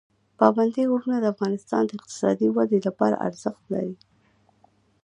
پابندي غرونه د افغانستان د اقتصادي ودې لپاره ارزښت لري.